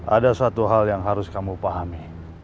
ada satu hal yang harus kamu pahami